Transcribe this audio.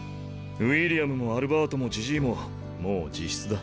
ウィリアムもアルバートもじじいももう自室だ。